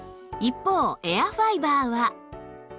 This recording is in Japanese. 一方エアファイバーは